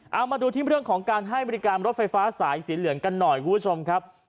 เอามาดูที่เรื่องของการให้บริการรถไฟฟ้าสายสีเหลืองกันหน่อยคุณผู้ชมครับ